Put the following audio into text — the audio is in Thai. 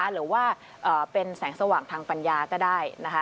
หรือว่าเป็นแสงสว่างทางปัญญาก็ได้นะคะ